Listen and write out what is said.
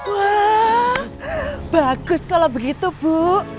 wah bagus kalau begitu bu